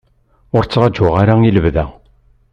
Ur ttṛaǧuɣ ara i lebda.